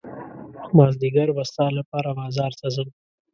مازدیګر به ستا لپاره بازار ته ځم.